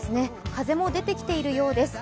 風も出てきているようです。